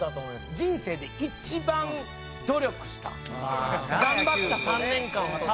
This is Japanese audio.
人生で一番努力した頑張った３年間は多分。